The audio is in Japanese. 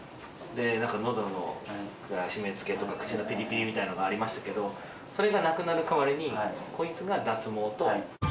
で、なんかのどのしめつけとか、口のぴりぴりみたいなのがありましたけれども、それがなくなる代わりに、こいつが脱毛と。